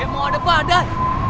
emang ada badan